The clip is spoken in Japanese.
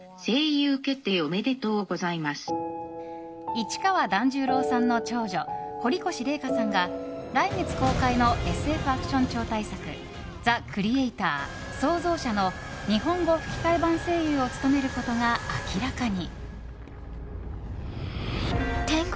市川團十郎さんの長女堀越麗禾さんが来月公開のＳＦアクション超大作「ザ・クリエイター／創造者」の日本語吹き替え版声優を務めることが明らかに。